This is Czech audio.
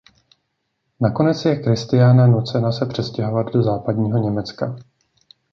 Nakonec je Christiana nucena se přestěhovat do Západního Německa.